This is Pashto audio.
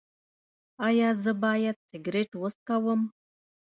ایا زه باید سګرټ وڅکوم؟